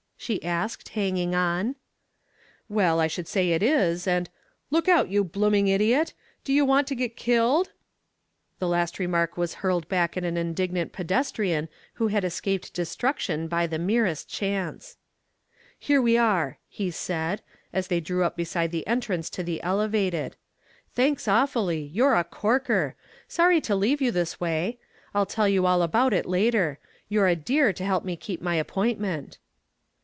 she asked, hanging on. "Well, I should say it is, and look out you blooming idiot! Do you want to get killed?" The last remark was hurled back at an indignant pedestrian who had escaped destruction by the merest chance. "Here we are," he said, as they drew up beside the entrance to the Elevated. "Thanks awfully, you're a corker, sorry to leave you this way. I'll tell you all about it later. You're a dear to help me keep my appointment."